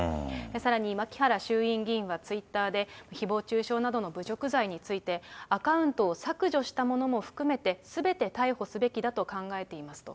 さらに牧原衆院議員はツイッターで、ひぼう中傷などの侮辱罪について、アカウントを削除したものも含めて、すべて逮捕すべきだと考えていますと。